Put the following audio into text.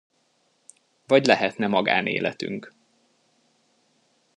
Vagy lehetne magánéletünk.